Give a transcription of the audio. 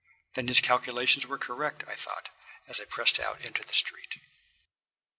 "Then his calculations were correct," I thought, as I pressed out into the street.